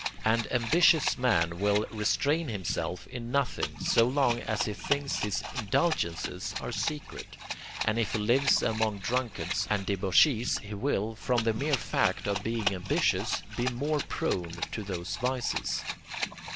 An ambitious man will restrain himself in nothing, so long as he thinks his indulgences are secret; and if he lives among drunkards and debauchees, he will, from the mere fact of being ambitious, be more prone to those vices.